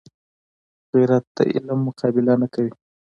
غیرت د علم مقابله نه کوي